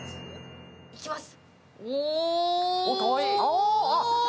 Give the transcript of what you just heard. いきます。